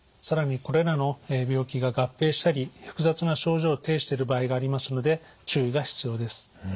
更にこれらの病気が合併したり複雑な症状を呈している場合がありますので注意が必要です。